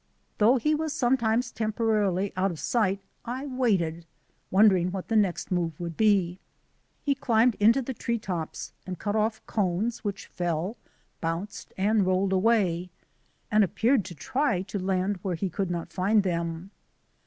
Though he was sometimes temporarily out of sight I waited, wondering what the next move would be. He climbed into the tree tops and cut off cones which fell, bounced, and rolled away, and appeared to try to land where he could not find them.